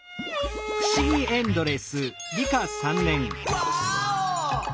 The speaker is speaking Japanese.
ワーオ！